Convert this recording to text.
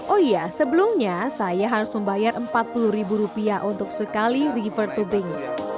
oh iya sebelumnya saya harus membayar empat puluh ribu rupiah untuk sekali river tubing